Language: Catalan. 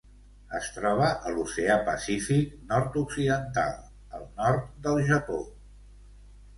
Es troba a l'Oceà Pacífic nord-occidental: el nord del Japó.